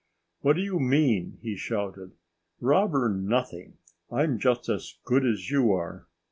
"What do you mean?" he shouted. "Robber nothing! I'm just as good as you are!"